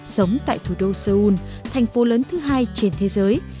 sống tại thủ đô seoul thành phố lớn thứ hai trên thế giới